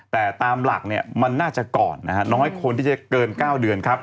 แต่ตามหลักเนี่ยมันน่าจะก่อนนะฮะน้อยคนที่จะเกิน๙เดือนครับ